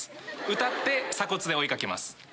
歌って鎖骨で追い掛けます。